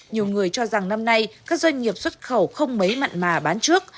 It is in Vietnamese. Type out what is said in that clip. nhiều người cho rằng năm nay các doanh nghiệp xuất khẩu không mấy mặn mà bán trước